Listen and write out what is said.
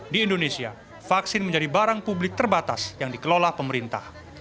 di indonesia vaksin menjadi barang publik terbatas yang dikelola pemerintah